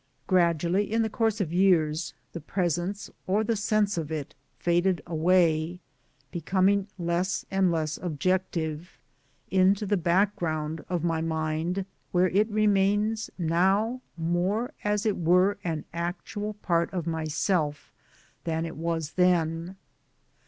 Gradually, in the course of years, the presence, or the sense of it, faded away, becoming less and less objective, into the background of my mind, where it remains now, more as it were an actual part of myself than it was then.